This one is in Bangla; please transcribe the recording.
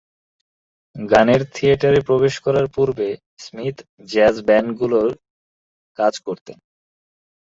গানের থিয়েটারে প্রবেশ করার পূর্বে, স্মিথ জ্যাজ ব্যান্ড গুলোয় কাজ করতেন।